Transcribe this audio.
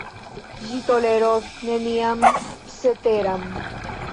Ĝi toleros nenian ceteran.